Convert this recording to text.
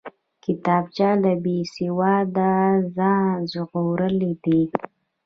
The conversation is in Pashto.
کتابچه له بېسواده ځان ژغورل دي